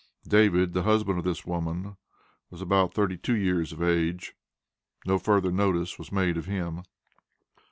David, the husband of this woman, was about thirty two years of age. No further notice was made of him.